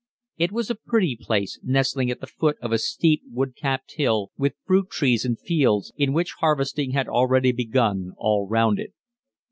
It was a pretty place nestling at the foot of a steep wood capped hill, with fruit trees and fields, in which harvesting had already begun, all round it.